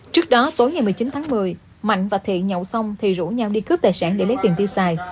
trước đó tối ngày một mươi chín tháng một mươi mạnh và thiện nhậu xong thì rủ nhau đi cướp tài sản để lấy tiền tiêu xài